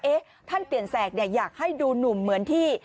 ว่าเอ๊ะท่านเตียนแสกเนี่ยอยากให้ดูหนุ่มเหมือนที่